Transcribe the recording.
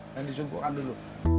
dan dicukupkan dulu